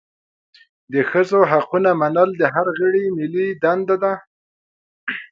د ښځو حقونه منل د هر غړي ملي دنده ده.